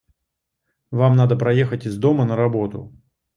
Вам надо проехать из дома на работу